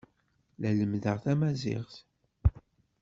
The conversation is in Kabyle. La lemmdeɣ tamaziɣt.